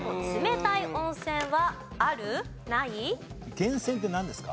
源泉ってなんですか？